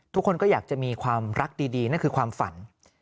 ทุกคนก็อยากจะมีความรักดีนั่นคือความฝัน